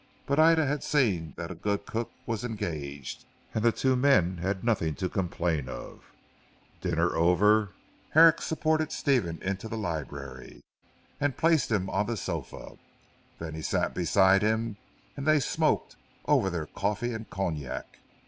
But Ida had seen that a good cook was engaged, and the two men had nothing to complain of. Dinner over, Herrick supported Stephen into the library, and placed him on the sofa. Then he sat beside him and they smoked over their coffee and cognac.